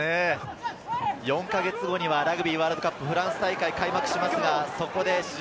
４か月後にラグビーワールドカップ・フランス大会が開幕します。